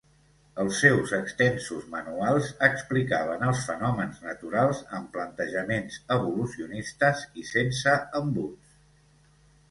Els seus extensos manuals explicaven els fenòmens naturals amb plantejaments evolucionistes i sense embuts.